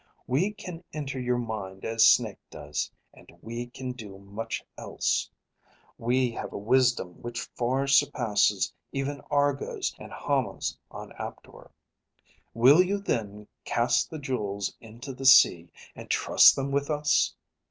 We can enter your mind as Snake does. And we can do much else. We have a wisdom which far surpasses even Argo's and Hama's on Aptor. Will you then cast the jewels into the sea and trust them with us?"